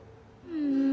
うん。